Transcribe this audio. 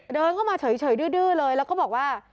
เดินเข้ามาเฉยดื้อเลยแล้วก็บอกว่า